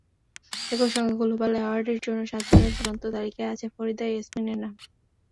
একই সঙ্গে গ্লোবাল অ্যাওয়ার্ডের জন্য সাতজনের চূড়ান্ত তালিকায় আছে ফরিদা ইয়াসমিনের নাম।